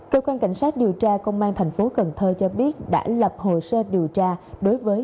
cơ quan cảnh sát điều tra công an thành phố cần thơ cho biết đã lập hồ sơ điều tra đối với